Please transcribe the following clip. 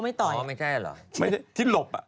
ไม่ใช่ที่หลบอ่ะ